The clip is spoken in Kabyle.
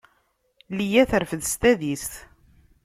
Liya terfed s tadist.